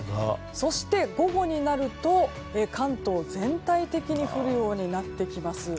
そして午後になると関東全体的に降るようになってきます。